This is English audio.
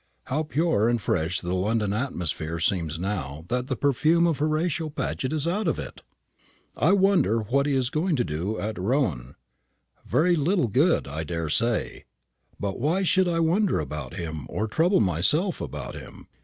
How pure and fresh the London atmosphere seems now that the perfume of Horatio Paget is out of it! I wonder what he is going to do at Rouen? Very little good, I daresay. But why should I wonder about him, or trouble myself about him?